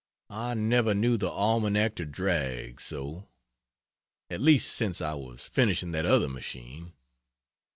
I never knew the almanac to drag so. At least since I was finishing that other machine.